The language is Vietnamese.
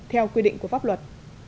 theo quy định của pháp luật